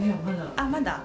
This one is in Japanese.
あっまだ？